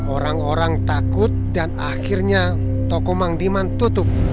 orang orang takut dan akhirnya toko mang diman tutup